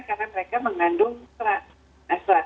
karena mereka mengandung serat